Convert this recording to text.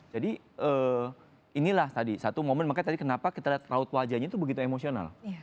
jadi inilah tadi satu momen makanya tadi kenapa kita lihat raut wajahnya itu begitu emosional